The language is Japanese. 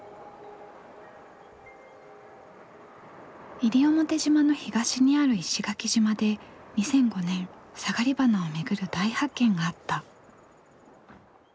西表島の東にある石垣島で２００５年サガリバナを巡る大発見があった。